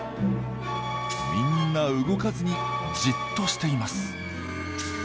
みんな動かずにじっとしています。